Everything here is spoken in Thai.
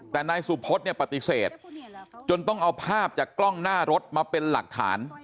แต่นายสุพธเนี่ยปฏิเสธจนต้องเอาภาพจากกล้องหน้ารถมาเป็นหลักฐาน